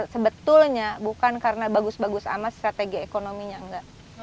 sebetulnya bukan karena bagus bagus amat strategi ekonominya enggak